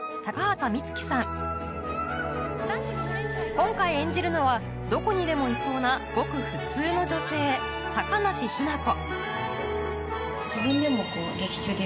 今回演じるのはどこにでもいそうなごく普通の女性高梨雛子